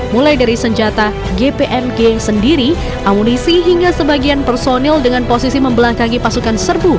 mulai dari senjata gpmg sendiri amunisi hingga sebagian personil dengan posisi membelangkangi pasukan serbu